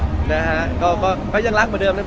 ยังไงเราเป็นเพื่อนกันเราก็ยังรักกันเหมือนเดิม